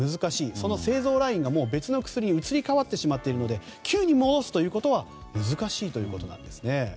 その製造ラインが別の薬に移り変わっているので急に戻すということは難しいということなんです。